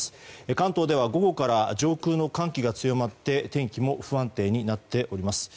関東では午後から上空の寒気が強まって天気も不安定になっております。